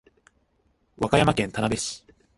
和歌山県田辺市